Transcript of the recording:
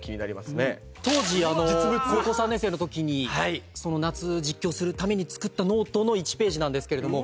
当時高校３年生の時に夏実況するために作ったノートの１ページなんですけれども。